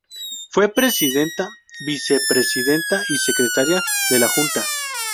Fue presidenta, vice-presidenta, y secretaria de la Junta.